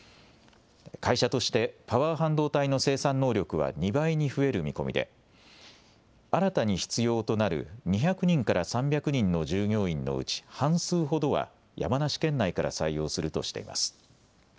会社としてパワー半導体の生産能力は２倍に増える見込みで新たに必要となる２００人から３００人の従業員のうち半数ほどは山梨県内から採用するとしています。